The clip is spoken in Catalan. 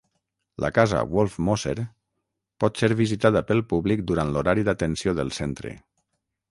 La casa Wolff-Moser pot ser visitada pel públic durant l'horari d'atenció del centre.